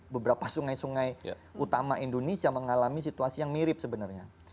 beberapa sungai sungai utama indonesia mengalami situasi yang mirip sebenarnya